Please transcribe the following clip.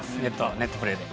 ネットプレーで。